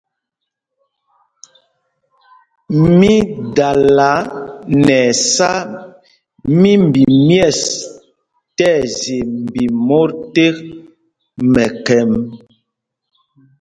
Mi dala nɛ ɛsá mímbi myɛ̂ɛs tí ɛzye mbi mot tek mɛkhɛm.